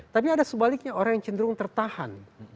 tapi ada sebaliknya orang yang cenderung tertahan